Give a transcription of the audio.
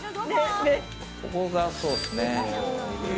ここがそうっすね。